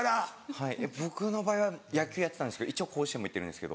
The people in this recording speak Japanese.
はい僕の場合は野球やってたんですけど一応甲子園にも行ってるんです。